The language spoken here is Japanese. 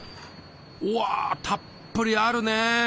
うわたっぷりあるね。